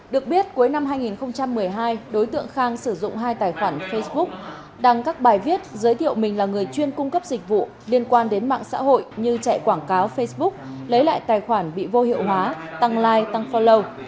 được biết cuối năm hai nghìn một mươi hai đối tượng khang sử dụng hai tài khoản facebook đăng các bài viết giới thiệu mình là người chuyên cung cấp dịch vụ liên quan đến mạng xã hội như chạy quảng cáo facebook lấy lại tài khoản bị vô hiệu hóa tăng like tăng follow